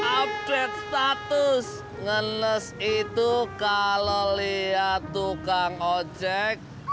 update status ngeles itu kalau lihat tukang ojek